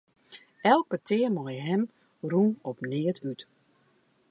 Elk petear mei him rûn op neat út.